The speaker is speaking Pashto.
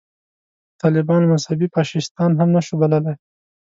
طالبان مذهبي فاشیستان هم نه شو بللای.